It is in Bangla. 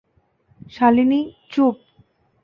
শালিনী, চুপ!